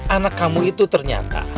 anak kamu itu ternyata